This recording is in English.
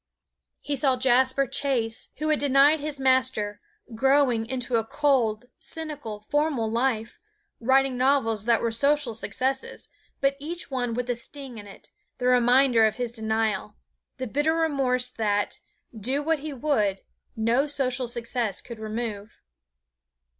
He saw Jasper Chase, who had denied his Master, growing into a cold, cynical, formal life, writing novels that were social successes, but each one with a sting in it, the reminder of his denial, the bitter remorse that, do what he would, no social success could remove.